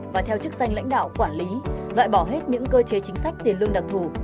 và theo chức danh lãnh đạo quản lý loại bỏ hết những cơ chế chính sách tiền lương đặc thù